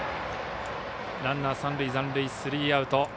ランナー、三塁残塁スリーアウト。